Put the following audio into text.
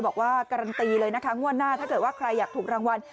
บอกว่าการันตีเลยนะคะงวดหน้าถ้าเกิดว่าใครอยากถูกรางวัล